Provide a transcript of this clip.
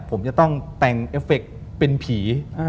ผมจะต้องแต่งเอฟเฟคเป็นผี